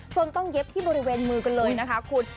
ต้องเย็บที่บริเวณมือกันเลยนะคะคุณ